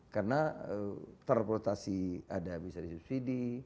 karena transportasi ada bisa disubsidi